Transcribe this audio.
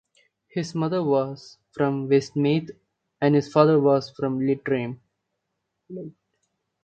His mother was from Westmeath and his father from Leitrim.